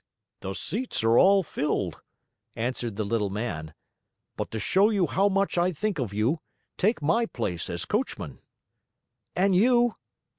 "The seats are all filled," answered the Little Man, "but to show you how much I think of you, take my place as coachman." "And you?"